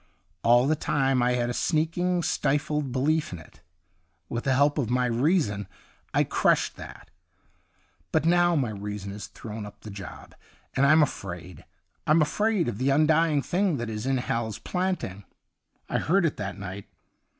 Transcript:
All the time I had a sneaking, stifled belief in it. With the help of my reason I crushed that ; but now my reason has thrown up the job, and I'm afraid. I'm afraid of the Undying Thing that is in Hal's Planting. I heard it that night.